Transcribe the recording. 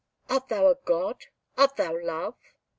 "Art thou a God? Art thou Love?"